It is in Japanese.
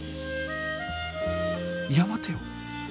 いや待てよ。